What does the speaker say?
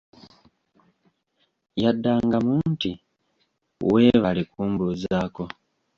Yaddangamu nti"weebale kumbuuzako"